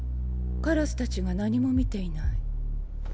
カラスたちが何も見ていない。